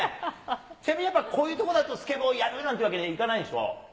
ちなみにやっぱこういう所だと、スケボーやるなんていうわけにはそうですね。